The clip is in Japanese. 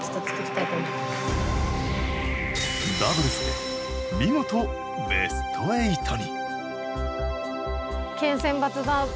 ダブルス、見事ベスト８に！